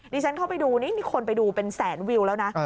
ฉันเข้าไปดูนี่มีคนไปดูเป็นแสนวิวแล้วนะ